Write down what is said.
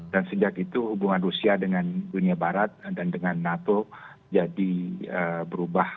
dan sejak itu hubungan rusia dengan dunia barat dan dengan nato jadi berubah